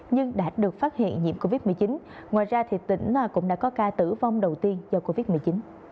nhưng đã được phát hiện nhiễm covid một mươi chín ngoài ra tỉnh cũng đã có ca tử vong đầu tiên do covid một mươi chín